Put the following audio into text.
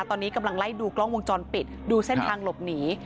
ตอนนี้กำลังไล่ดูกล้องวงจรปิดดูเส้นทางหลบหนี